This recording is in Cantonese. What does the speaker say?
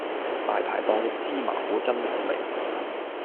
大排檔嘅芝麻糊真好味